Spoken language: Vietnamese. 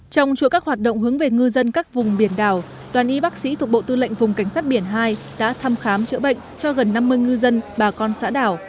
trong chuỗi các hoạt động hướng về ngư dân các vùng biển đảo đoàn y bác sĩ thuộc bộ tư lệnh vùng cảnh sát biển hai đã thăm khám chữa bệnh cho gần năm mươi ngư dân bà con xã đảo